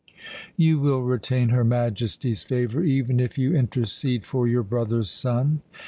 "You will retain her Majesty's favour, even if you intercede for your brother's son."